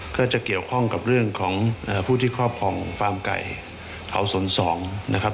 ก็จะเกี่ยวข้องกับเรื่องของผู้ที่ครอบครองฟาร์มไก่เผา๐๒นะครับ